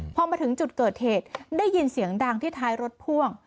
พอมาถึงจุดเกิดเหตุได้ยินเสียงดังที่ท้ายรถพ่วง